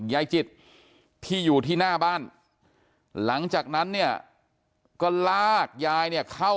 ยายจิตที่อยู่ที่หน้าบ้านหลังจากนั้นเนี่ยก็ลากยายเนี่ยเข้า